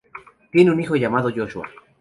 Tiene un hijo llamado Joshua.